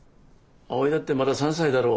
葵だってまだ３歳だろ？